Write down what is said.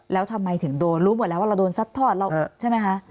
แล้วทำไมถึงโดนรู้หมดแล้วว่าเราโดนซัดทอดเราใช่ไหมคะ